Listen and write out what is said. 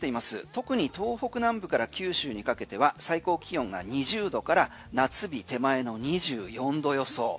特に東北南部から九州にかけては最高気温が２０度から夏日手前の２４度予想。